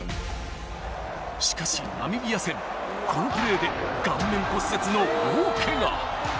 しかし、ナミビア戦、このプレーで顔面骨折の大けが。